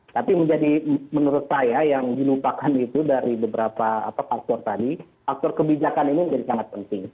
tapi menjadi menurut saya yang dilupakan itu dari beberapa faktor tadi faktor kebijakan ini menjadi sangat penting